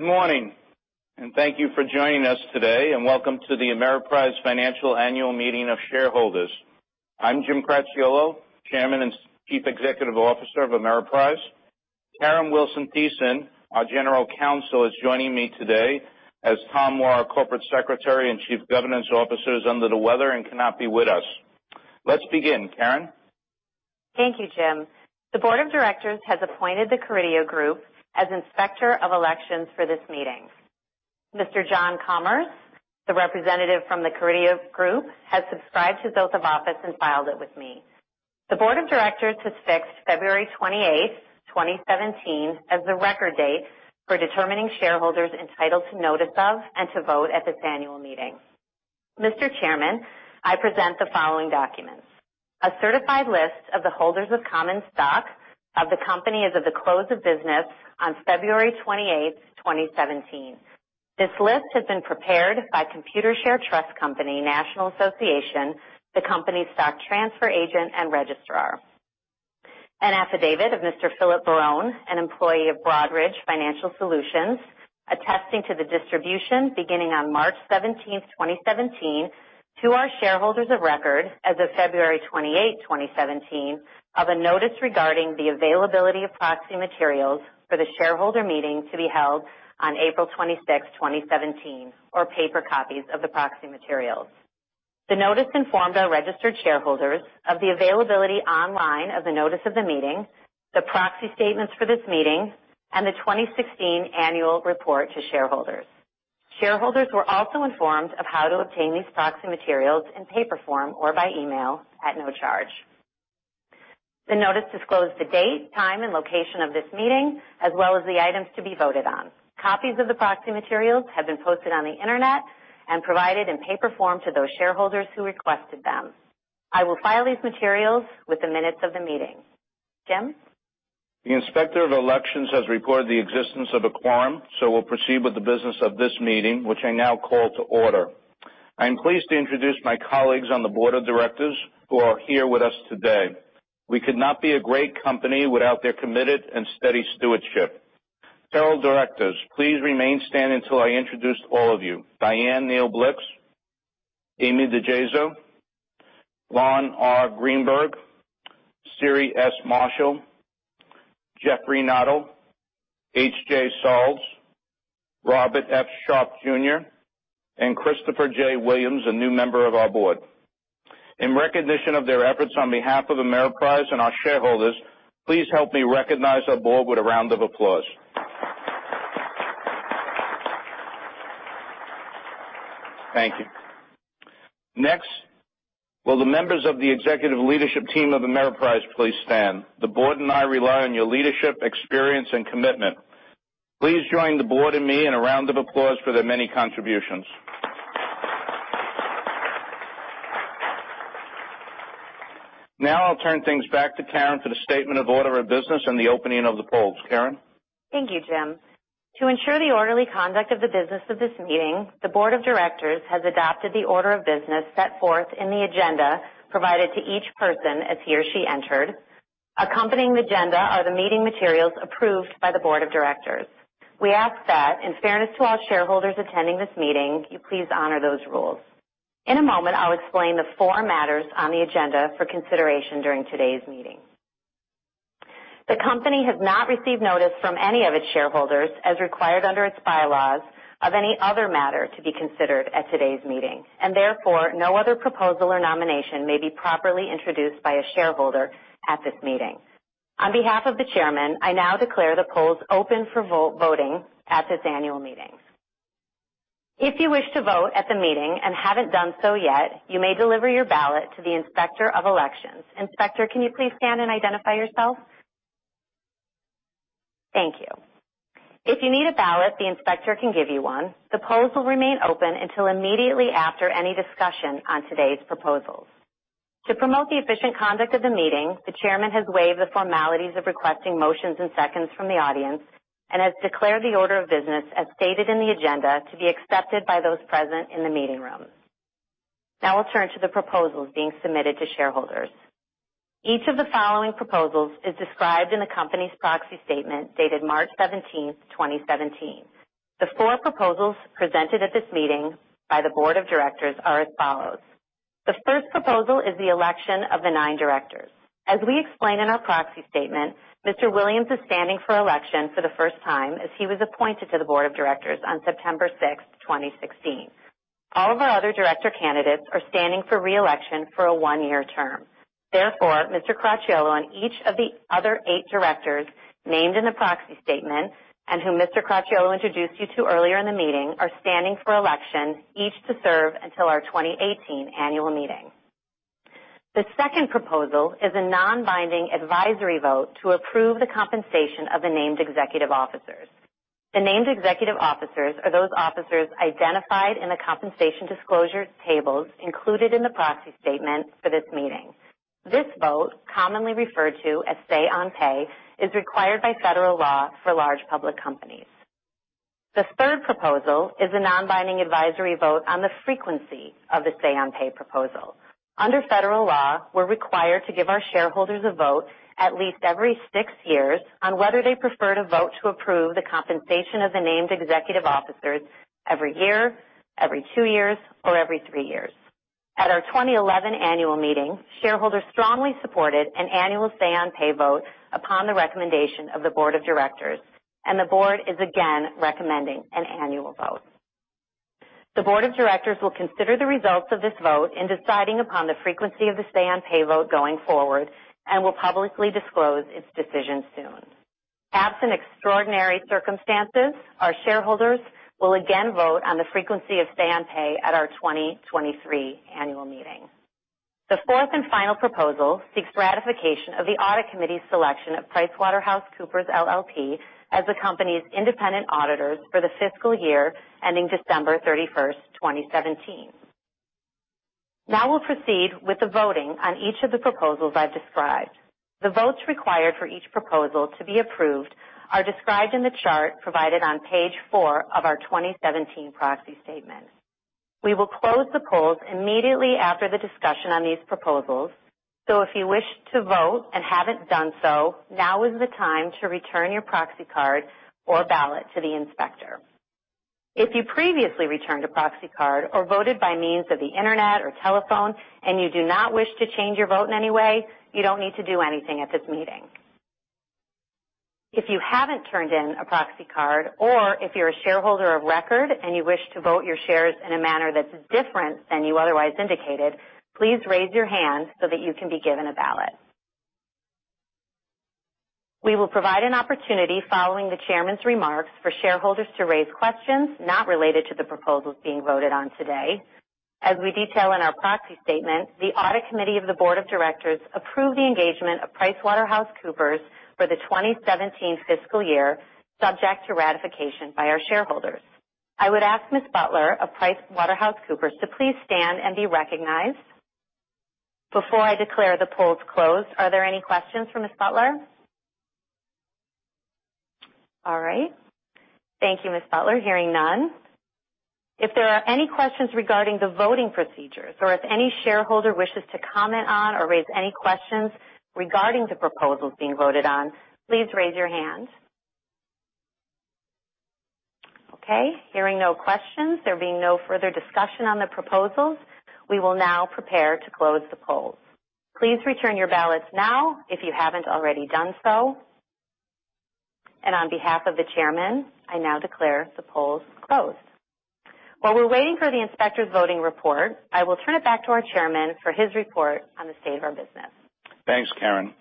Good morning, and thank you for joining us today and welcome to the Ameriprise Financial Annual Meeting of Shareholders. I'm Jim Cracchiolo, Chairman and Chief Executive Officer of Ameriprise. Karen Wilson Thissen, our General Counsel, is joining me today as Tom Moore, our Corporate Secretary and Chief Governance Officer, is under the weather and cannot be with us. Let's begin. Karen? Thank you, Jim. The Board of Directors has appointed The Carideo Group as Inspector of Elections for this meeting. Mr. John Komers, the representative from The Carideo Group, has subscribed to the oath of office and filed it with me. The Board of Directors has fixed February 28th, 2017, as the record date for determining shareholders entitled to notice of and to vote at this Annual Meeting. Mr. Chairman, I present the following documents. A certified list of the holders of common stock of the company as of the close of business on February 28th, 2017. This list has been prepared by Computershare Trust Company, National Association, the company's stock transfer agent and registrar. An affidavit of Mr. Philip Barone, an employee of Broadridge Financial Solutions, attesting to the distribution beginning on March 17th, 2017, to our shareholders of record as of February 28th, 2017, of a notice regarding the availability of proxy materials for the Shareholder Meeting to be held on April 26th, 2017, or paper copies of the proxy materials. The notice informed our registered shareholders of the availability online of the Notice of Meeting, the Proxy Statements for this meeting, and the 2016 Annual Report to Shareholders. Shareholders were also informed of how to obtain these proxy materials in paper form or by email at no charge. The notice disclosed the date, time, and location of this meeting, as well as the items to be voted on. Copies of the proxy materials have been posted on the internet and provided in paper form to those shareholders who requested them. I will file these materials with the minutes of the meeting. Jim? The Inspector of Elections has recorded the existence of a quorum. We'll proceed with the business of this meeting, which I now call to order. I am pleased to introduce my colleagues on the board of directors who are here with us today. We could not be a great company without their committed and steady stewardship. Fellow directors, please remain standing until I introduce all of you. Dianne Neal Blixt, Amy DiGeso, Lon R. Greenberg, Siri S. Marshall, Jeffrey Noddle, H. Jay Sarles, Robert F. Sharpe, Jr., and Christopher J. Williams, a new member of our board. In recognition of their efforts on behalf of Ameriprise and our shareholders, please help me recognize our board with a round of applause. Thank you. Next, will the members of the executive leadership team of Ameriprise please stand? The board and I rely on your leadership, experience, and commitment. Please join the board and me in a round of applause for their many contributions. I'll turn things back to Karen for the statement of order of business and the opening of the polls. Karen? Thank you, Jim. To ensure the orderly conduct of the business of this meeting, the board of directors has adopted the order of business set forth in the agenda provided to each person as he or she entered. Accompanying the agenda are the meeting materials approved by the board of directors. We ask that, in fairness to all shareholders attending this meeting, you please honor those rules. In a moment, I'll explain the four matters on the agenda for consideration during today's meeting. The company has not received notice from any of its shareholders, as required under its bylaws, of any other matter to be considered at today's meeting. Therefore, no other proposal or nomination may be properly introduced by a shareholder at this meeting. On behalf of the Chairman, I now declare the polls open for voting at this annual meeting. If you wish to vote at the meeting and haven't done so yet, you may deliver your ballot to the Inspector of Elections. Inspector, can you please stand and identify yourself? Thank you. If you need a ballot, the Inspector can give you one. The polls will remain open until immediately after any discussion on today's proposals. To promote the efficient conduct of the meeting, the Chairman has waived the formalities of requesting motions and seconds from the audience and has declared the order of business as stated in the agenda to be accepted by those present in the meeting room. I'll turn to the proposals being submitted to shareholders. Each of the following proposals is described in the company's proxy statement dated March 17th, 2017. The four proposals presented at this meeting by the board of directors are as follows. The first proposal is the election of the 9 directors. As we explain in our proxy statement, Mr. Williams is standing for election for the first time as he was appointed to the board of directors on September 6th, 2016. All of our other director candidates are standing for re-election for a 1-year term. Mr. Cracchiolo and each of the other 8 directors named in the proxy statement, and whom Mr. Cracchiolo introduced you to earlier in the meeting, are standing for election, each to serve until our 2018 annual meeting. The second proposal is a non-binding advisory vote to approve the compensation of the named executive officers. The named executive officers are those officers identified in the compensation disclosure tables included in the proxy statement for this meeting. This vote, commonly referred to as say on pay, is required by federal law for large public companies. The third proposal is a non-binding advisory vote on the frequency of the say on pay proposal. Under federal law, we're required to give our shareholders a vote at least every 6 years on whether they prefer to vote to approve the compensation of the named executive officers every year, every 2 years, or every 3 years. At our 2011 annual meeting, shareholders strongly supported an annual say on pay vote upon the recommendation of the board of directors. The board is again recommending an annual vote. The board of directors will consider the results of this vote in deciding upon the frequency of the say on pay vote going forward. Will publicly disclose its decision soon. Absent extraordinary circumstances, our shareholders will again vote on the frequency of say on pay at our 2023 annual meeting. The 4th and final proposal seeks ratification of the Audit Committee selection of PricewaterhouseCoopers LLP as the company's independent auditors for the fiscal year ending December 31st, 2017. We'll proceed with the voting on each of the proposals I've described. The votes required for each proposal to be approved are described in the chart provided on page four of our 2017 proxy statement. We will close the polls immediately after the discussion on these proposals. If you wish to vote and haven't done so, now is the time to return your proxy card or ballot to the inspector. If you previously returned a proxy card or voted by means of the internet or telephone, you do not wish to change your vote in any way, you don't need to do anything at this meeting. If you haven't turned in a proxy card. If you're a shareholder of record and you wish to vote your shares in a manner that's different than you otherwise indicated, please raise your hand so that you can be given a ballot. We will provide an opportunity following the chairman's remarks for shareholders to raise questions not related to the proposals being voted on today. As we detail in our proxy statement, the Audit Committee of the Board of Directors approved the engagement of PricewaterhouseCoopers for the 2017 fiscal year, subject to ratification by our shareholders. I would ask Ms. Butler of PricewaterhouseCoopers to please stand and be recognized. Before I declare the polls closed, are there any questions for Ms. Butler? All right. Thank you, Ms. Butler. Hearing none. If there are any questions regarding the voting procedures, or if any shareholder wishes to comment on or raise any questions regarding the proposals being voted on, please raise your hand. Okay, hearing no questions, there being no further discussion on the proposals, we will now prepare to close the polls. Please return your ballots now if you haven't already done so. On behalf of the chairman, I now declare the polls closed. While we're waiting for the inspector's voting report, I will turn it back to our chairman for his report on the state of our business. Thanks, Karen.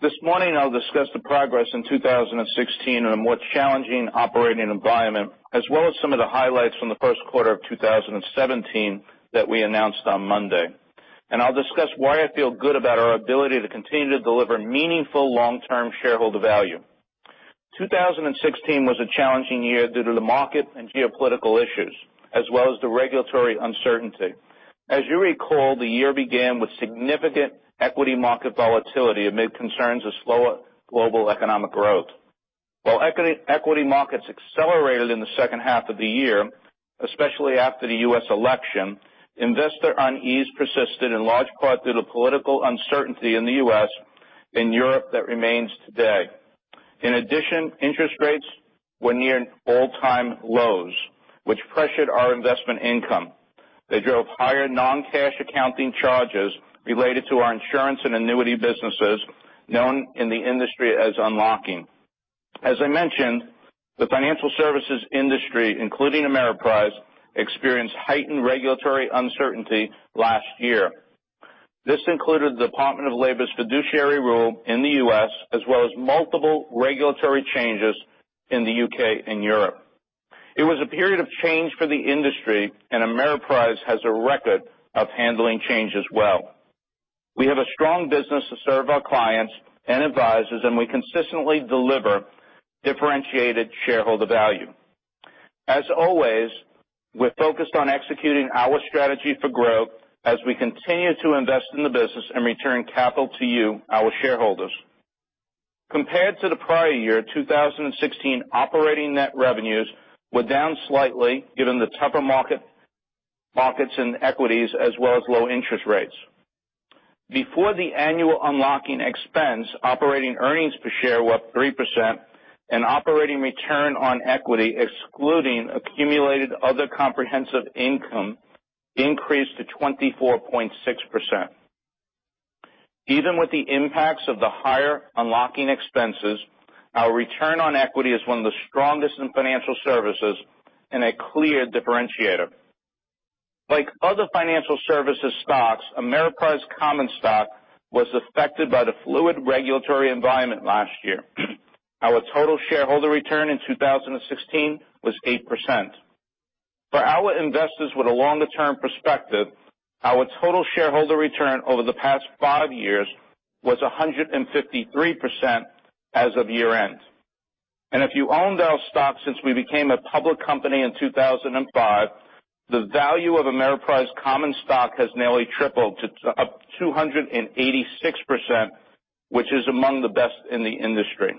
This morning I'll discuss the progress in 2016 in a more challenging operating environment, as well as some of the highlights from the first quarter of 2017 that we announced on Monday. I'll discuss why I feel good about our ability to continue to deliver meaningful long-term shareholder value. 2016 was a challenging year due to the market and geopolitical issues as well as the regulatory uncertainty. As you recall, the year began with significant equity market volatility amid concerns of slower global economic growth. While equity markets accelerated in the second half of the year, especially after the U.S. election, investor unease persisted in large part due to political uncertainty in the U.S. and Europe that remains today. In addition, interest rates were near all-time lows, which pressured our investment income. They drove higher non-cash accounting charges related to our insurance and annuity businesses, known in the industry as unlocking. As I mentioned, the financial services industry, including Ameriprise, experienced heightened regulatory uncertainty last year. This included the Department of Labor's Fiduciary Rule in the U.S. as well as multiple regulatory changes in the U.K. and Europe. It was a period of change for the industry. Ameriprise has a record of handling changes well. We have a strong business to serve our clients and advisors. We consistently deliver differentiated shareholder value. As always, we're focused on executing our strategy for growth as we continue to invest in the business and return capital to you, our shareholders. Compared to the prior year, 2016 operating net revenues were down slightly given the tougher markets in equities as well as low interest rates. Before the annual unlocking expense, operating earnings per share were up 3%. Operating return on equity, excluding accumulated other comprehensive income, increased to 24.6%. Even with the impacts of the higher unlocking expenses, our return on equity is one of the strongest in financial services and a clear differentiator. Like other financial services stocks, Ameriprise common stock was affected by the fluid regulatory environment last year. Our total shareholder return in 2016 was 8%. For our investors with a longer-term perspective, our total shareholder return over the past five years was 153% as of year-end. If you owned our stock since we became a public company in 2005, the value of Ameriprise common stock has nearly tripled up to 286%, which is among the best in the industry.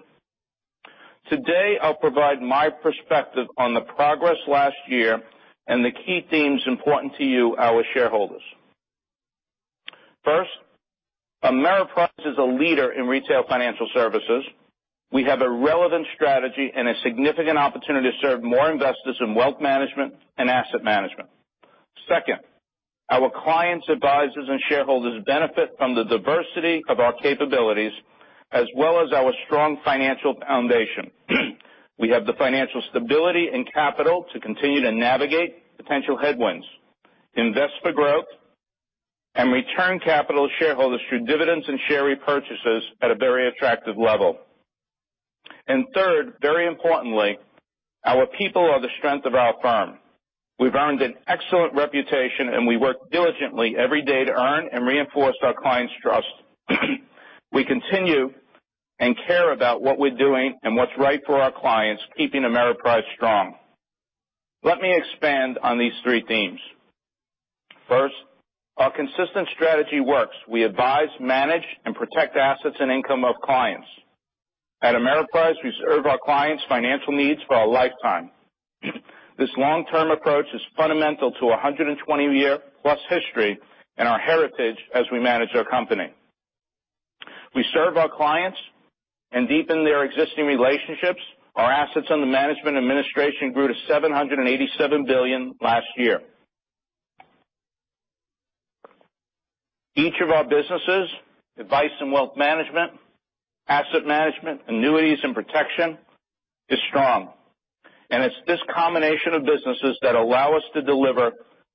Today, I'll provide my perspective on the progress last year and the key themes important to you, our shareholders. First, Ameriprise is a leader in retail financial services. We have a relevant strategy and a significant opportunity to serve more investors in wealth management and asset management. Second, our clients, advisors, and shareholders benefit from the diversity of our capabilities as well as our strong financial foundation. We have the financial stability and capital to continue to navigate potential headwinds, invest for growth, and return capital to shareholders through dividends and share repurchases at a very attractive level. Third, very importantly, our people are the strength of our firm. We've earned an excellent reputation, and we work diligently every day to earn and reinforce our clients' trust. We continue and care about what we're doing and what's right for our clients, keeping Ameriprise strong. Let me expand on these three themes. First, our consistent strategy works. We advise, manage, and protect assets and income of clients. At Ameriprise, we serve our clients' financial needs for a lifetime. This long-term approach is fundamental to 120-year-plus history and our heritage as we manage our company. We serve our clients and deepen their existing relationships. Our assets under management administration grew to $787 billion last year. Each of our businesses, advice and wealth management, asset management, annuities, and protection, is strong. It's this combination of businesses that allow us to deliver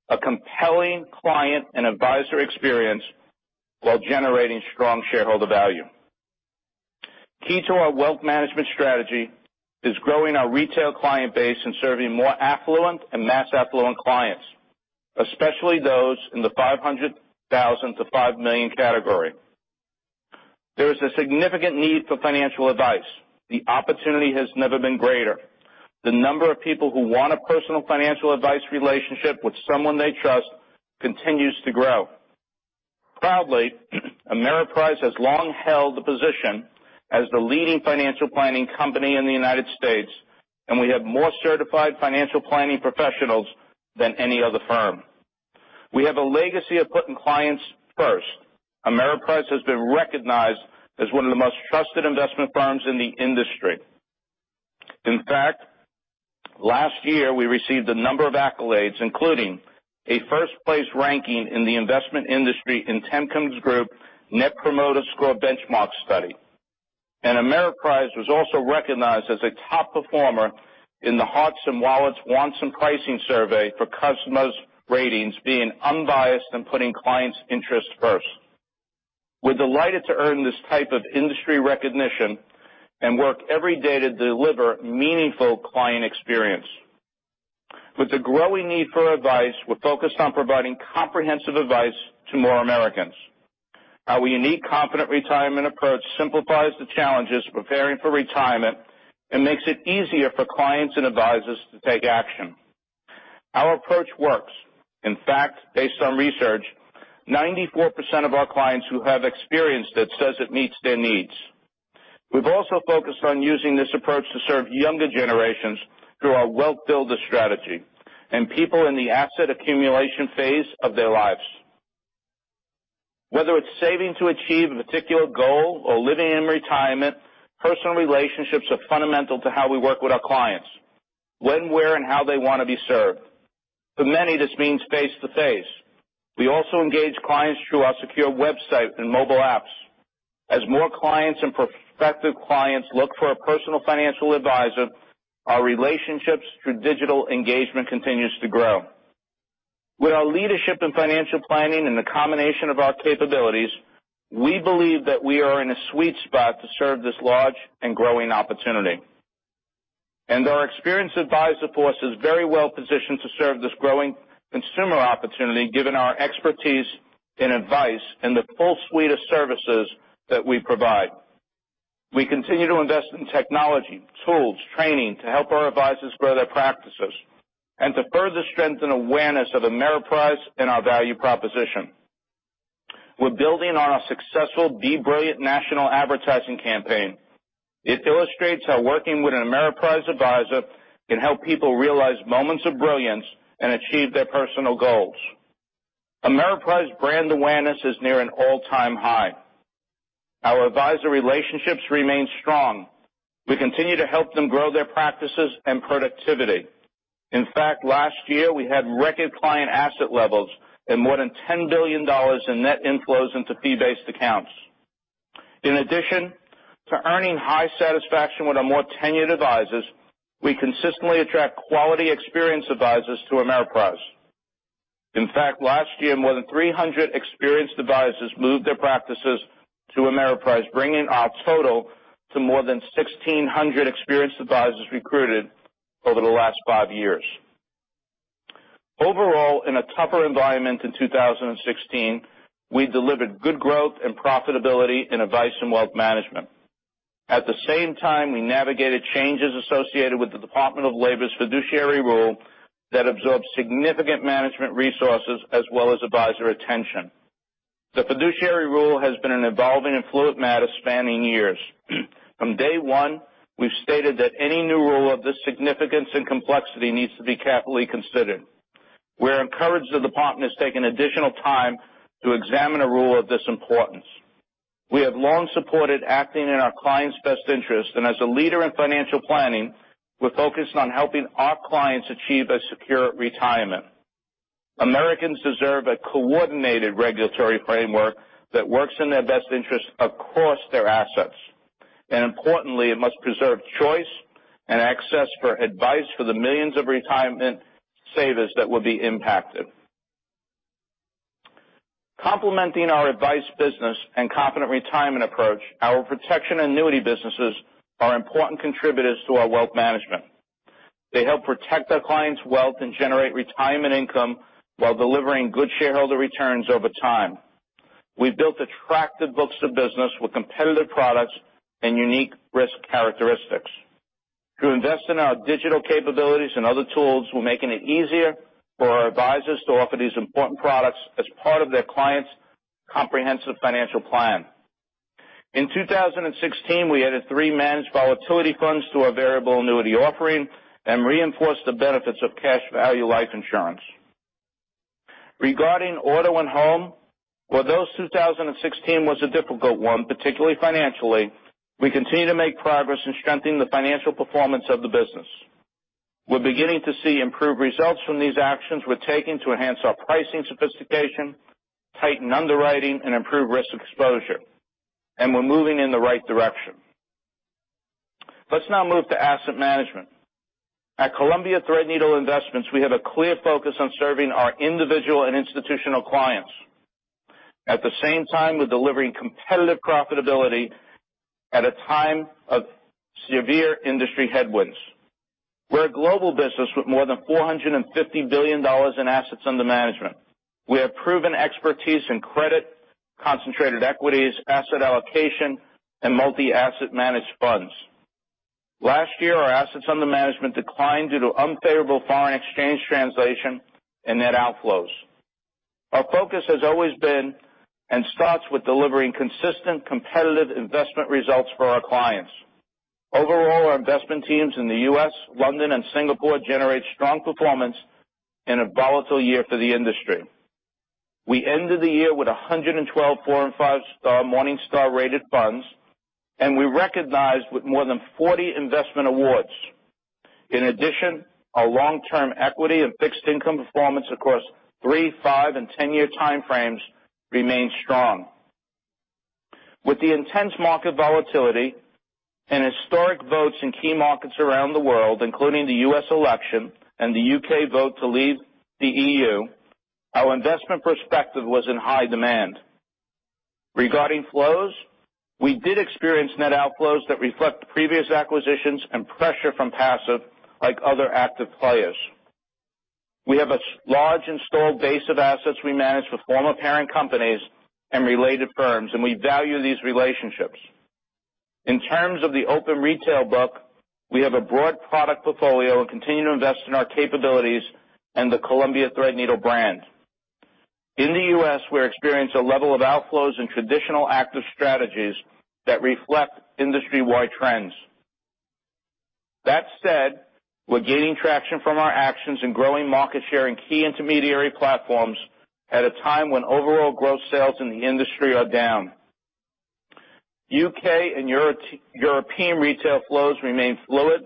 a compelling client and advisor experience while generating strong shareholder value. Key to our wealth management strategy is growing our retail client base and serving more affluent and mass affluent clients, especially those in the $500,000-$5 million category. There is a significant need for financial advice. The opportunity has never been greater. The number of people who want a personal financial advice relationship with someone they trust continues to grow. Proudly, Ameriprise has long held the position as the leading financial planning company in the U.S., and we have more Certified Financial Planner professionals than any other firm. We have a legacy of putting clients first. Ameriprise has been recognized as one of the most trusted investment firms in the industry. In fact, last year, we received a number of accolades, including a first-place ranking in the investment industry in Temkin Group Net Promoter Score Benchmark Study. Ameriprise was also recognized as a top performer in the Hearts & Wallets Wants and Pricing Survey for customers' ratings being unbiased and putting clients' interests first. We're delighted to earn this type of industry recognition and work every day to deliver meaningful client experience. With the growing need for advice, we're focused on providing comprehensive advice to more Americans. Our unique Confident Retirement approach simplifies the challenges preparing for retirement and makes it easier for clients and advisors to take action. Our approach works. In fact, based on research, 94% of our clients who have experienced it says it meets their needs. We've also focused on using this approach to serve younger generations through our Wealth Builder strategy and people in the asset accumulation phase of their lives. Whether it's saving to achieve a particular goal or living in retirement, personal relationships are fundamental to how we work with our clients, when, where, and how they want to be served. For many, this means face-to-face. We also engage clients through our secure website and mobile apps. As more clients and prospective clients look for a personal financial advisor, our relationships through digital engagement continues to grow. With our leadership in financial planning and the combination of our capabilities, we believe that we are in a sweet spot to serve this large and growing opportunity. Our experienced advisor force is very well-positioned to serve this growing consumer opportunity given our expertise in advice and the full suite of services that we provide. We continue to invest in technology, tools, training to help our advisors grow their practices and to further strengthen awareness of Ameriprise and our value proposition. We're building on our successful Be Brilliant national advertising campaign. It illustrates how working with an Ameriprise advisor can help people realize moments of brilliance and achieve their personal goals. Ameriprise brand awareness is near an all-time high. Our advisor relationships remain strong. We continue to help them grow their practices and productivity. In fact, last year, we had record client asset levels and more than $10 billion in net inflows into fee-based accounts. In addition to earning high satisfaction with our more tenured advisors, we consistently attract quality experienced advisors to Ameriprise. In fact, last year, more than 300 experienced advisors moved their practices to Ameriprise, bringing our total to more than 1,600 experienced advisors recruited over the last five years. Overall, in a tougher environment in 2016, we delivered good growth and profitability in advice and wealth management. At the same time, we navigated changes associated with the Department of Labor's Fiduciary Rule that absorbed significant management resources as well as advisor attention. The Fiduciary Rule has been an evolving and fluid matter spanning years. From day one, we've stated that any new rule of this significance and complexity needs to be carefully considered. We're encouraged the Department has taken additional time to examine a rule of this importance. We have long supported acting in our clients' best interest, and as a leader in financial planning, we're focused on helping our clients achieve a secure retirement. Americans deserve a coordinated regulatory framework that works in their best interest across their assets. Importantly, it must preserve choice and access for advice for the millions of retirement savers that will be impacted. Complementing our advice business and Confident Retirement approach, our protection annuity businesses are important contributors to our wealth management. They help protect our clients' wealth and generate retirement income while delivering good shareholder returns over time. We've built attractive books of business with competitive products and unique risk characteristics. Through investing in our digital capabilities and other tools, we're making it easier for our advisors to offer these important products as part of their clients' comprehensive financial plan. In 2016, we added three managed volatility funds to our variable annuity offering and reinforced the benefits of cash value life insurance. Regarding Auto & Home, although 2016 was a difficult one, particularly financially, we continue to make progress in strengthening the financial performance of the business. We're beginning to see improved results from these actions we're taking to enhance our pricing sophistication, tighten underwriting, and improve risk exposure. We're moving in the right direction. Let's now move to Asset Management. At Columbia Threadneedle Investments, we have a clear focus on serving our individual and institutional clients. At the same time, we're delivering competitive profitability at a time of severe industry headwinds. We're a global business with more than $450 billion in assets under management. We have proven expertise in credit, concentrated equities, asset allocation, and multi-asset managed funds. Last year, our assets under management declined due to unfavorable foreign exchange translation and net outflows. Our focus has always been and starts with delivering consistent competitive investment results for our clients. Overall, our investment teams in the U.S., London, and Singapore generate strong performance in a volatile year for the industry. We ended the year with 112 four and five-star Morningstar rated funds, and we were recognized with more than 40 investment awards. In addition, our long-term equity and fixed income performance across three, five, and 10-year time frames remains strong. With the intense market volatility and historic votes in key markets around the world, including the U.S. election and the U.K. vote to leave the EU, our investment perspective was in high demand. Regarding flows, we did experience net outflows that reflect the previous acquisitions and pressure from passive like other active players. We have a large installed base of assets we manage with former parent companies and related firms, and we value these relationships. In terms of the open retail book, we have a broad product portfolio and continue to invest in our capabilities and the Columbia Threadneedle brand. In the U.S., we're experiencing a level of outflows in traditional active strategies that reflect industry-wide trends. That said, we're gaining traction from our actions and growing market share in key intermediary platforms at a time when overall gross sales in the industry are down. U.K. and European retail flows remain fluid,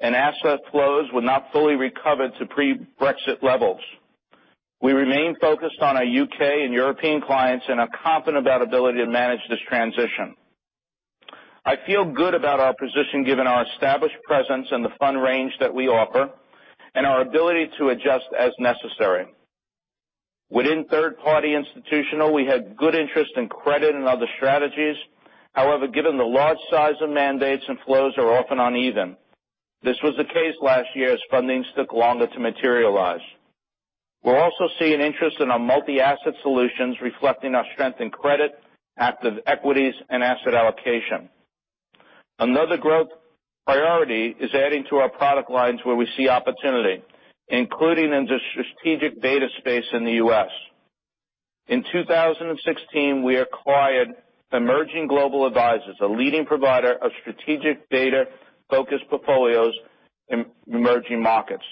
and asset flows will not fully recover to pre-Brexit levels. We remain focused on our U.K. and European clients and are confident about ability to manage this transition. I feel good about our position given our established presence and the fund range that we offer and our ability to adjust as necessary. Within third-party institutional, we had good interest in credit and other strategies. However, given the large size of mandates, some flows are often uneven. This was the case last year as fundings took longer to materialize. We're also seeing interest in our multi-asset solutions reflecting our strength in credit, active equities, and asset allocation. Another growth priority is adding to our product lines where we see opportunity, including in the strategic beta space in the U.S. In 2016, we acquired Emerging Global Advisors, a leading provider of strategic beta-focused portfolios in emerging markets.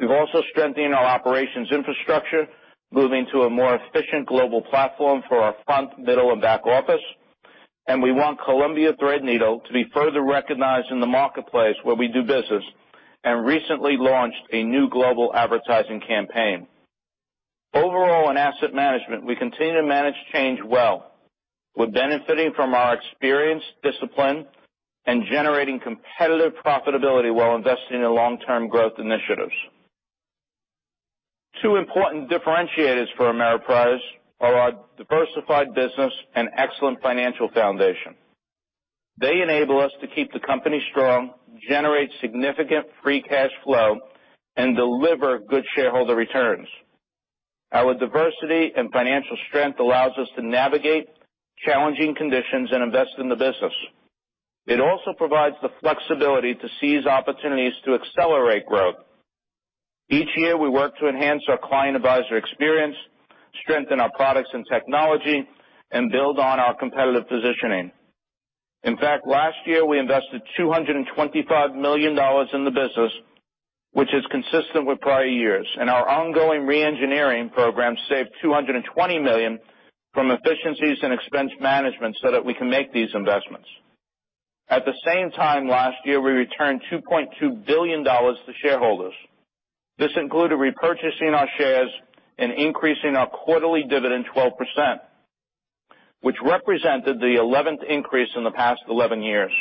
We've also strengthened our operations infrastructure, moving to a more efficient global platform for our front, middle, and back office, and we want Columbia Threadneedle to be further recognized in the marketplace where we do business and recently launched a new global advertising campaign. Overall, in Asset Management, we continue to manage change well. We're benefiting from our experience, discipline, and generating competitive profitability while investing in long-term growth initiatives. Two important differentiators for Ameriprise are our diversified business and excellent financial foundation. They enable us to keep the company strong, generate significant free cash flow, and deliver good shareholder returns. Our diversity and financial strength allows us to navigate challenging conditions and invest in the business. It also provides the flexibility to seize opportunities to accelerate growth. Each year, we work to enhance our client advisor experience, strengthen our products and technology, and build on our competitive positioning. In fact, last year, we invested $225 million in the business, which is consistent with prior years, and our ongoing re-engineering program saved $220 million from efficiencies and expense management so that we can make these investments. At the same time last year, we returned $2.2 billion to shareholders. This included repurchasing our shares and increasing our quarterly dividend 12%, which represented the 11th increase in the past 11 years.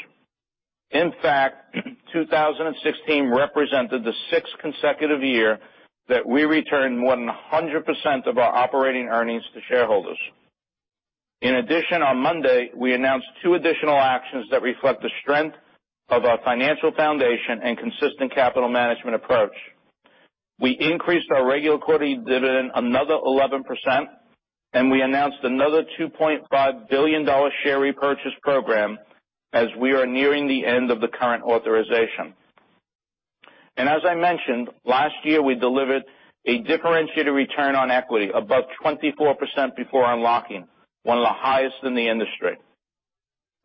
In fact, 2016 represented the sixth consecutive year that we returned 100% of our operating earnings to shareholders. In addition, on Monday, we announced two additional actions that reflect the strength of our financial foundation and consistent capital management approach. We increased our regular quarterly dividend another 11%, and we announced another $2.5 billion share repurchase program as we are nearing the end of the current authorization. As I mentioned, last year, we delivered a differentiated return on equity above 24% before unlocking, one of the highest in the industry.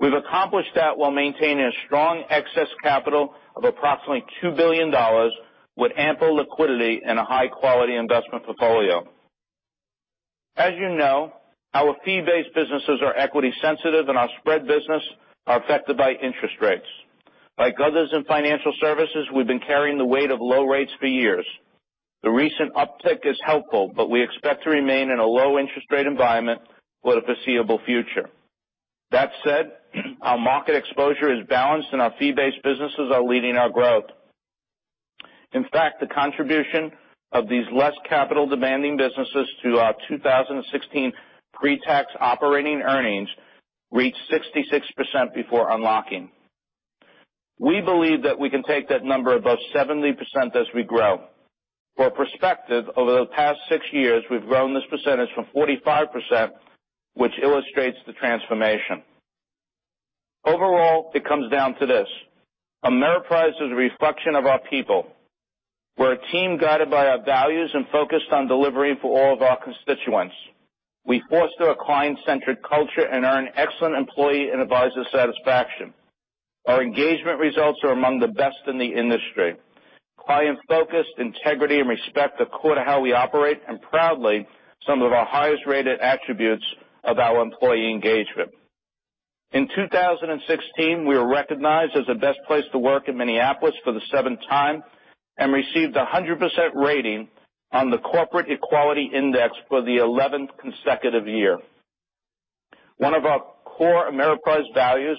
We've accomplished that while maintaining a strong excess capital of approximately $2 billion with ample liquidity and a high-quality investment portfolio. As you know, our fee-based businesses are equity sensitive, and our spread business are affected by interest rates. Like others in financial services, we've been carrying the weight of low rates for years. The recent uptick is helpful, but we expect to remain in a low interest rate environment for the foreseeable future. That said, our market exposure is balanced, and our fee-based businesses are leading our growth. In fact, the contribution of these less capital-demanding businesses to our 2016 pre-tax operating earnings reached 66% before unlocking. We believe that we can take that number above 70% as we grow. For perspective, over the past six years, we've grown this percentage from 45%, which illustrates the transformation. Overall, it comes down to this. Ameriprise is a reflection of our people. We're a team guided by our values and focused on delivering for all of our constituents. We foster a client-centric culture and earn excellent employee and advisor satisfaction. Our engagement results are among the best in the industry. Client focus, integrity, and respect are core to how we operate and proudly some of our highest-rated attributes of our employee engagement. In 2016, we were recognized as the best place to work in Minneapolis for the seventh time and received 100% rating on the Corporate Equality Index for the 11th consecutive year. One of our core Ameriprise values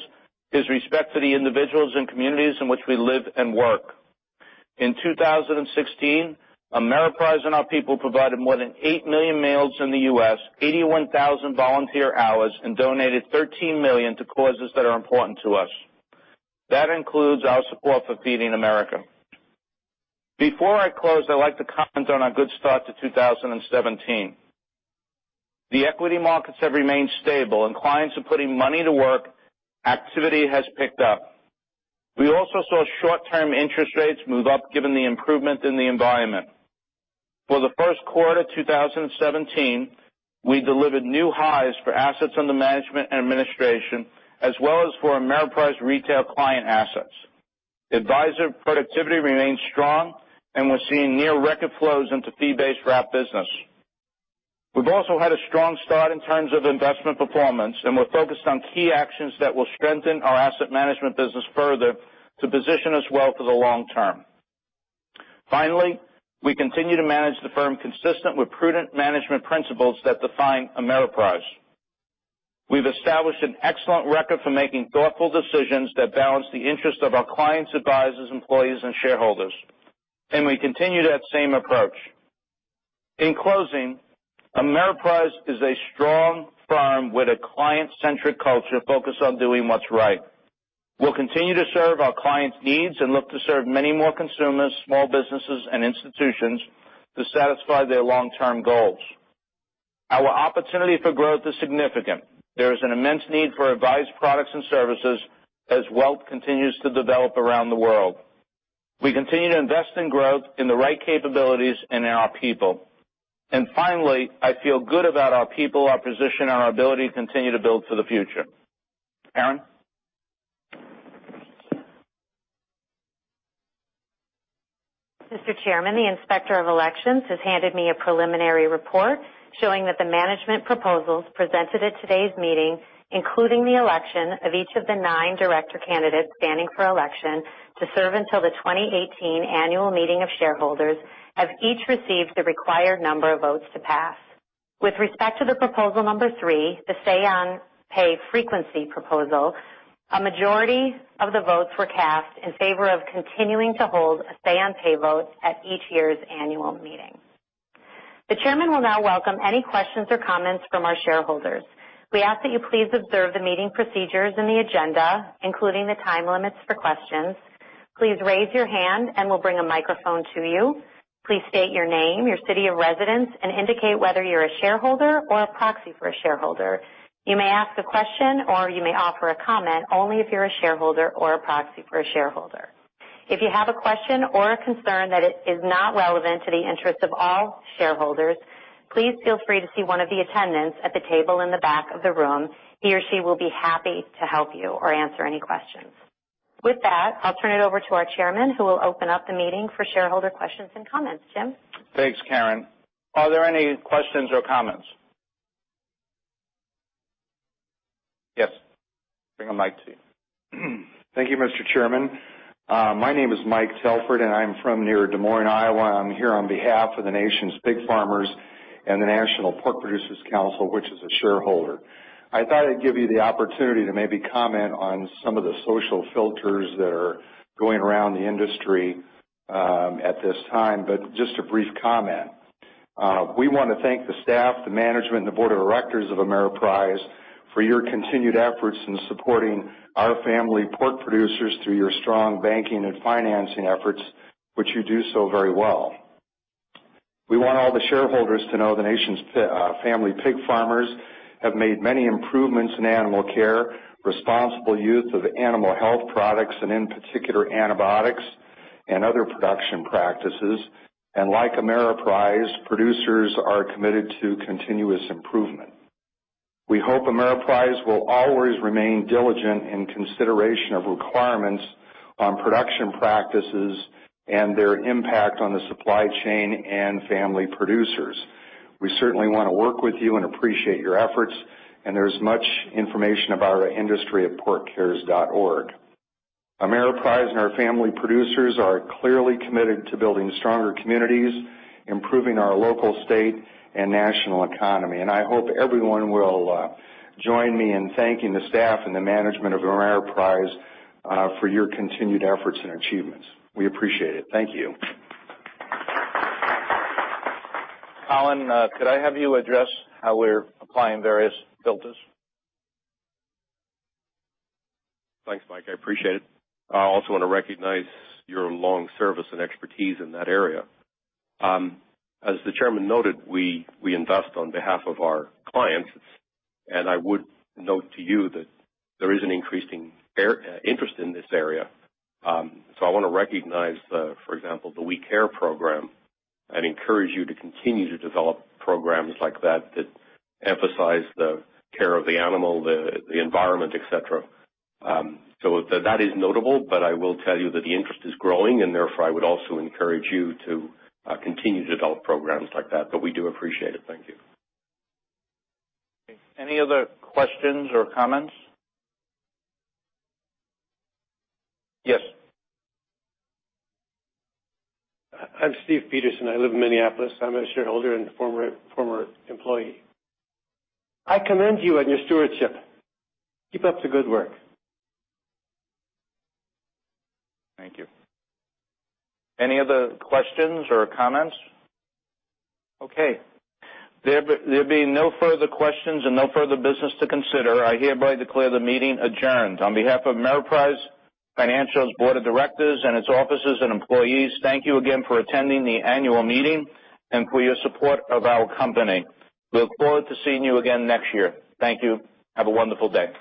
is respect for the individuals and communities in which we live and work. In 2016, Ameriprise and our people provided more than 8 million meals in the U.S., 81,000 volunteer hours, and donated $13 million to causes that are important to us. That includes our support for Feeding America. Before I close, I'd like to comment on our good start to 2017. The equity markets have remained stable, and clients are putting money to work. Activity has picked up. We also saw short-term interest rates move up given the improvement in the environment. For the first quarter 2017, we delivered new highs for assets under management and administration, as well as for Ameriprise retail client assets. Advisor productivity remains strong, and we're seeing near record flows into fee-based wrap business. We've also had a strong start in terms of investment performance, and we're focused on key actions that will strengthen our asset management business further to position us well for the long term. Finally, we continue to manage the firm consistent with prudent management principles that define Ameriprise. We've established an excellent record for making thoughtful decisions that balance the interest of our clients, advisors, employees, and shareholders. We continue that same approach. In closing, Ameriprise is a strong firm with a client-centric culture focused on doing what's right. We'll continue to serve our clients' needs and look to serve many more consumers, small businesses, and institutions to satisfy their long-term goals. Our opportunity for growth is significant. There is an immense need for advised products and services as wealth continues to develop around the world. We continue to invest in growth in the right capabilities and in our people. Finally, I feel good about our people, our position, and our ability to continue to build for the future. Karen? Mr. Chairman, the Inspector of Elections has handed me a preliminary report showing that the management proposals presented at today's meeting, including the election of each of the nine director candidates standing for election to serve until the 2018 annual meeting of shareholders, have each received the required number of votes to pass. With respect to the proposal number three, the say-on-pay frequency proposal, a majority of the votes were cast in favor of continuing to hold a say-on-pay vote at each year's annual meeting. The chairman will now welcome any questions or comments from our shareholders. We ask that you please observe the meeting procedures in the agenda, including the time limits for questions. Please raise your hand, and we'll bring a microphone to you. Please state your name, your city of residence, and indicate whether you're a shareholder or a proxy for a shareholder. You may ask a question or you may offer a comment only if you're a shareholder or a proxy for a shareholder. If you have a question or a concern that is not relevant to the interest of all shareholders, please feel free to see one of the attendants at the table in the back of the room. He or she will be happy to help you or answer any questions. With that, I'll turn it over to our chairman who will open up the meeting for shareholder questions and comments. Jim? Thanks, Karen. Are there any questions or comments? Yes. Bring a mic to you. Thank you, Mr. Chairman. My name is Mike Telford, and I'm from near Des Moines, Iowa. I'm here on behalf of the nation's pig farmers and the National Pork Producers Council, which is a shareholder. I thought I'd give you the opportunity to maybe comment on some of the social filters that are going around the industry, at this time. Just a brief comment. We want to thank the staff, the management, and the board of directors of Ameriprise for your continued efforts in supporting our family pork producers through your strong banking and financing efforts, which you do so very well. We want all the shareholders to know the nation's family pig farmers have made many improvements in animal care, responsible use of animal health products, and in particular, antibiotics and other production practices. Like Ameriprise, producers are committed to continuous improvement. We hope Ameriprise will always remain diligent in consideration of requirements on production practices and their impact on the supply chain and family producers. We certainly want to work with you and appreciate your efforts. There's much information about our industry at porkcares.org. Ameriprise and our family producers are clearly committed to building stronger communities, improving our local, state, and national economy, I hope everyone will join me in thanking the staff and the management of Ameriprise for your continued efforts and achievements. We appreciate it. Thank you. Colin, could I have you address how we're applying various filters? Thanks, Mike. I appreciate it. I also want to recognize your long service and expertise in that area. As the Chairman noted, we invest on behalf of our clients, and I would note to you that there is an increasing interest in this area. I want to recognize the, for example, the We Care program and encourage you to continue to develop programs like that that emphasize the care of the animal, the environment, et cetera. That is notable, but I will tell you that the interest is growing, and therefore, I would also encourage you to continue to develop programs like that. We do appreciate it. Thank you. Any other questions or comments? Yes. I'm Steve Peterson. I live in Minneapolis. I'm a shareholder and former employee. I commend you on your stewardship. Keep up the good work. Thank you. Any other questions or comments? There being no further questions and no further business to consider, I hereby declare the meeting adjourned. On behalf of Ameriprise Financial's board of directors and its officers and employees, thank you again for attending the annual meeting and for your support of our company. We look forward to seeing you again next year. Thank you. Have a wonderful day.